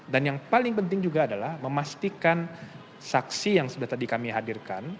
dan yang paling penting juga adalah memastikan saksi yang sudah tadi kami hadirkan